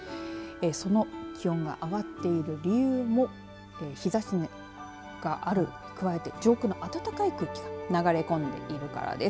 その気温が上がっている理由は日ざしがある、加えて上空の暖かい空気が流れ込んでいるからです。